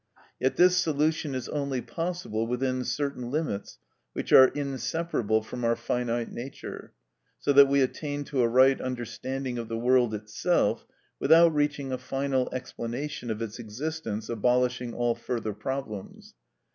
Yet this solution is only possible within certain limits which are inseparable from our finite nature, so that we attain to a right understanding of the world itself without reaching a final explanation of its existence abolishing all further problems.